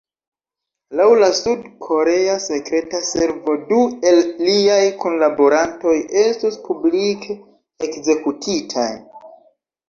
Laŭ la sud-korea sekreta servo, du el liaj kunlaborantoj estus publike ekzekutitaj.